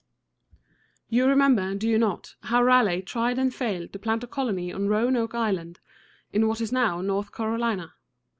You remember, do you not, how Raleigh tried and failed to plant a colony on Roanoke Island, in what is now North Carolina?